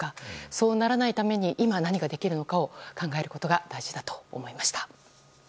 そうならないために今、何ができるのかを考えることが大事だと思いました。